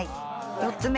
４つ目。